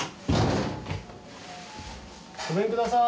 ごめんください。